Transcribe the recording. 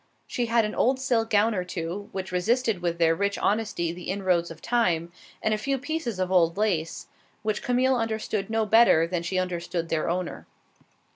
She had an old silk gown or two, which resisted with their rich honesty the inroads of time, and a few pieces of old lace, which Camille understood no better than she understood their owner.